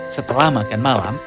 setelah makan malam